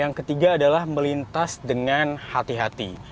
yang ketiga adalah melintas dengan hati hati